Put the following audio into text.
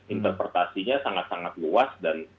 interpretasinya sangat sangat luas dan